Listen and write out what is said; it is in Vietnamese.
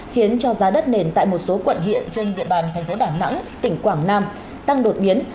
khiến cho giá đất nền tại một số quận huyện trên địa bàn thành phố đà nẵng tỉnh quảng nam tăng đột biến